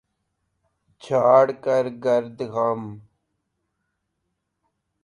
جھاڑ کر گرد غم